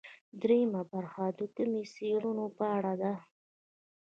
درېیمه برخه د کمي څېړنو په اړه ده.